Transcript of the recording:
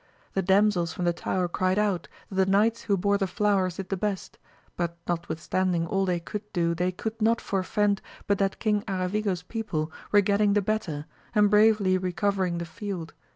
The damsels from the tower cried out, that the knights who bore the flowers did the best ; but, notwithstanding all they could do they could not forfend but that Kin^ Aravigo's people were getting the better, and bravely recovering the field.